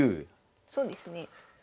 そうですね。